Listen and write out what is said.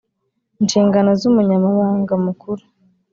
Inshingano z umunyabanga mukuru